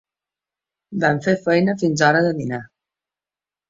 Van fer feina fins hora de dinar